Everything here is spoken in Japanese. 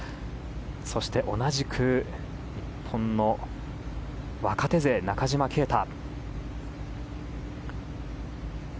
そして、同じく日本の若手勢、中島啓太。ＯＫ！